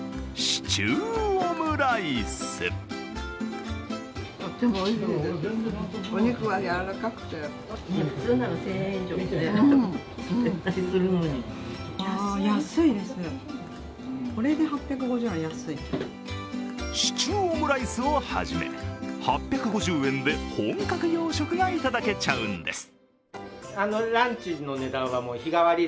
シチューオムライスを初め８５０円で本格洋食がいただけちゃうんです。